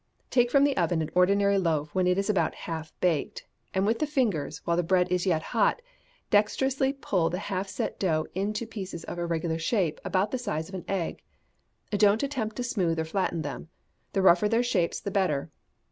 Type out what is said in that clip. Take from the oven an ordinary loaf when it is about half baked, and with the fingers, while the bread is yet hot, dexterously pull the half set dough into pieces of irregular shape, about the size of an egg. Don't attempt to smooth or flatten them the rougher their shapes the better.